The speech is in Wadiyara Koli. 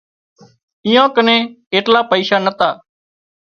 ايئان ڪنين ايٽلا پئيشا نتا